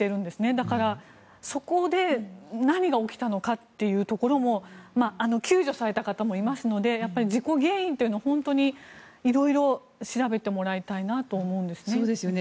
だから、そこで何が起きたのかというところも救助された方もいますので事故原因というのを本当に色々調べてもらいたいなと思うんですね。